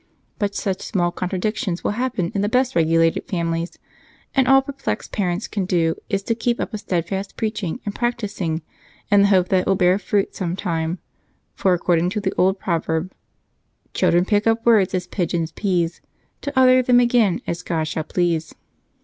But such small contradictions will happen in the best regulated families, and all perplexed parents can do is to keep up a steadfast preaching and practicing in the hope that it will bear fruit sometime, for according to an old proverb, Children pick up words as pigeons pease, To utter them again as God shall please.